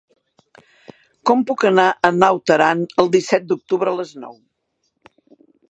Com puc anar a Naut Aran el disset d'octubre a les nou?